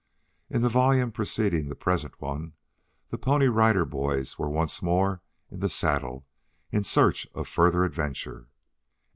In the volume preceding the present one the Pony Rider Boys were once more in the saddle in search of further adventure.